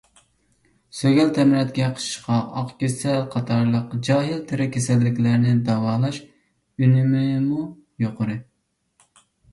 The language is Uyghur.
سۆگەل، تەمرەتكە، قىچىشقاق، ئاق كېسەل قاتارلىق جاھىل تېرە كېسەللىكلەرنى داۋالاش ئۈنۈمىمۇ يۇقىرى.